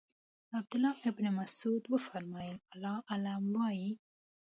عبدالله ابن مسعود وفرمایل الله اعلم وایئ.